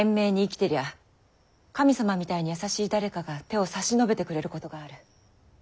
てりゃ神様みたいに優しい誰かが手を差し伸べてくれることがある。